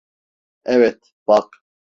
Evet, bak.